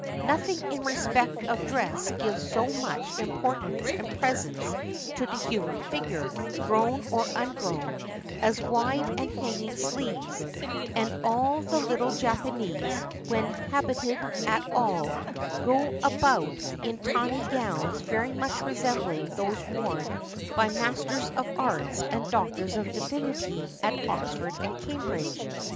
Nothing in respect of dress gives so much importance and presence to the human figure, grown or ungrown, as wide and hanging sleeves; and all the little Japanese, when habited at all, go about in tiny gowns very much resembling those worn by Masters of Arts and Doctors of Divinity at Oxford and Cambridge.